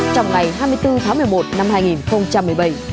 trong ngày hai mươi bốn tháng một mươi một năm hai nghìn một mươi bảy